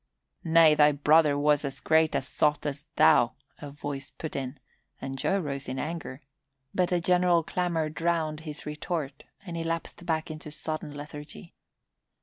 "Nay, thy brother was as great a sot as thou," a voice put in, and Joe rose in anger, but a general clamour drowned his retort and he lapsed back into a sodden lethargy.